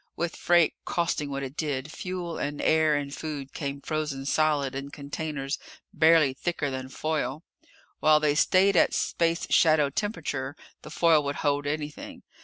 With freight costing what it did, fuel and air and food came frozen solid, in containers barely thicker than foil. While they stayed at space shadow temperature, the foil would hold anything.